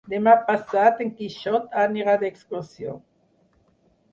Demà passat en Quixot anirà d'excursió.